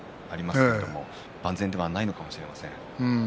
万全ではないのかもしれません。